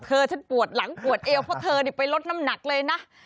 เธอฉันปวดหลังปวดเอวเพราะเธอไปลดน้ำหนักเลยนะ